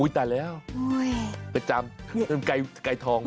อู๋ยเดาห์แล้วไปชำได้ไก่ทองปะ